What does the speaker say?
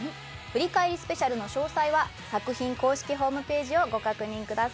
「振り返りＳＰ」の詳細は作品公式ホームページをご確認ください。